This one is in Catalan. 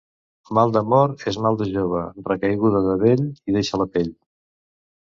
Mal d'amor és mal de jove; recaiguda de vell hi deixa la pell.